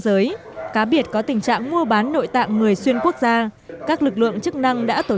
giới cá biệt có tình trạng mua bán nội tạng người xuyên quốc gia các lực lượng chức năng đã tổ